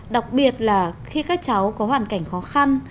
đặc biệt là khi các cháu có hoàn cảnh khó khăn